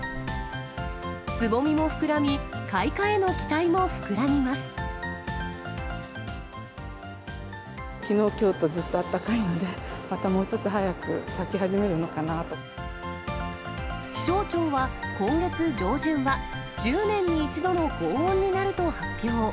つぼみも膨らみ、きのう、きょうとずっとあったかいので、またもうちょっと早く咲き始める気象庁は今月上旬は、１０年に１度の高温になると発表。